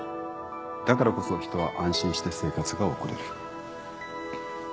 だからこそ人は安心して生活が送れる。